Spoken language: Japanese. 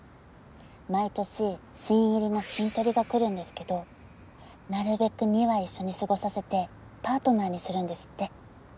毎年新入りのシントリが来るんですけどなるべく２羽一緒に過ごさせてパートナーにするんですって。